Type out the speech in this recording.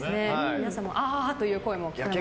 皆さんのあーという声も聞こえました。